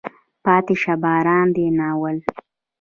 پاتې شه باران دی. ناول